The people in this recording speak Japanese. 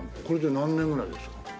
これで何年ぐらいですか？